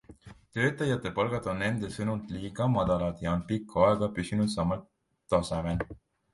Töötajate palgad on nende sõnul liiga madalad ja on pikka aega püsinud samal tasemel.